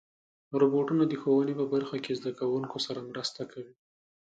روبوټونه د ښوونې په برخه کې زدهکوونکو سره مرسته کوي.